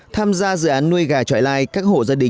tham gia dự án nuôi gà trọi lai